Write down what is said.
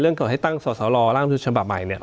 เรื่องกับให้ตั้งสลร่างอำนาจบัติหมายเนี่ย